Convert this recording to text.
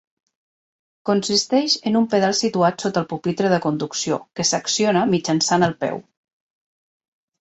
Consisteix en un pedal situat sota el pupitre de conducció, que s'acciona mitjançant el peu.